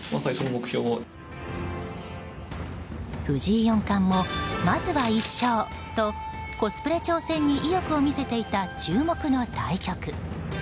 藤井四冠も、まずは１勝とコスプレ挑戦に意欲を見せていた注目の対局。